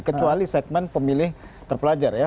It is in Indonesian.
kecuali segmen pemilih terpelajar ya